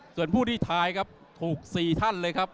ส่วนผู้ที่ทายครับถูก๔ท่านเลยครับ